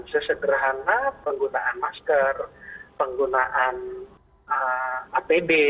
sesegera penggunaan masker penggunaan apb